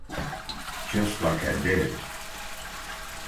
Just like I did.